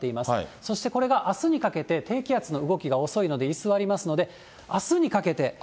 そしてこれがあすにかけて、低気圧の動きが遅いので、居座りますので、あすにかけて。